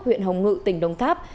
huyện hồng ngự tỉnh đồng tháp